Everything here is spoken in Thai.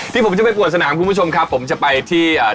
ที่ผมจะไปปวดสนามคุณผู้ชมครับผมจะไปที่อ่า